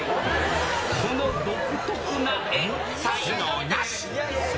この独特な絵、才能なし。